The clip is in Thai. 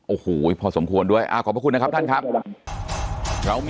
โอ้โหพอสมควรด้วยขอบพระคุณนะครับท่านครับ